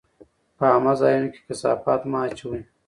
په عامه ځایونو کې کثافات مه اچوئ.